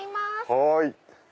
はい。